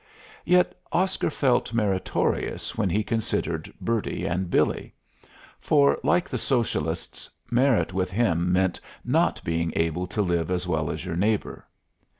Yet Oscar felt meritorious when he considered Bertie and Billy; for, like the socialists, merit with him meant not being able to live as well as your neighbor.